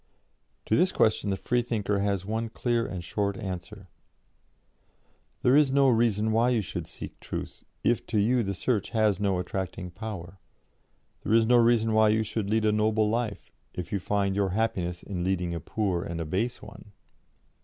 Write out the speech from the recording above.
To this question the Freethinker has one clear and short answer: 'There is no reason why you should seek Truth, if to you the search has no attracting power. There is no reason why you should lead a noble life, if you find your happiness in leading a poor and a base one.'